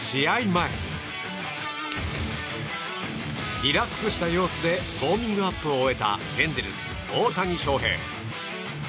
前、リラックスした様子でウォーミングアップを終えたエンゼルス、大谷翔平。